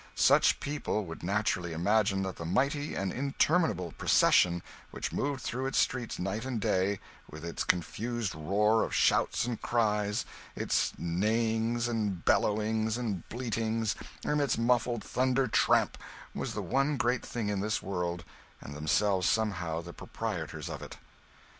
Such people would naturally imagine that the mighty and interminable procession which moved through its street night and day, with its confused roar of shouts and cries, its neighings and bellowing and bleatings and its muffled thunder tramp, was the one great thing in this world, and themselves somehow the proprietors of it.